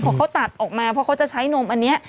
พอเขาตัดออกมาเพราะเขาจะใช้นมอันนี้